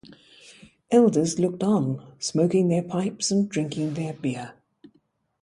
The elders looked on smoking their pipes and drinking their beer.